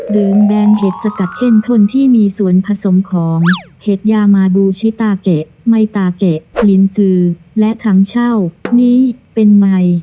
แบนเห็ดสกัดเข้มข้นที่มีส่วนผสมของเห็ดยามาดูชิตาเกะไมตาเกะกลินจือและถังเช่านี้เป็นไมค์